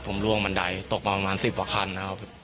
ผมล่วงมันใดตกมาประมาณ๑๐วักครั้ง